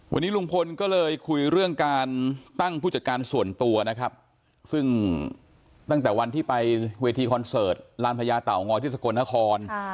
วันนี้ลุงพลก็เลยคุยเรื่องการตั้งผู้จัดการส่วนตัวนะครับซึ่งตั้งแต่วันที่ไปเวทีคอนเสิร์ตลานพญาเต่างอยที่สกลนคร